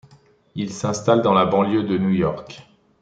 Il s'installe dans la banlieue de New York.